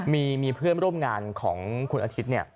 มีเพื่อนร่วมงานของคุณอาทิตย์